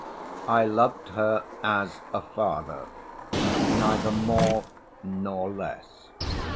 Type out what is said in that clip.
I loved her as a father, neither more nor less.